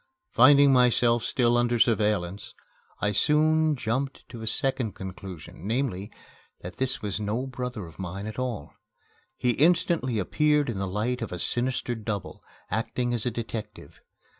Finding myself still under surveillance, I soon jumped to a second conclusion, namely, that this was no brother of mine at all. He instantly appeared in the light of a sinister double, acting as a detective.